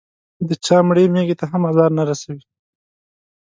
د چا مړې مېږې ته هم ازار نه رسوي.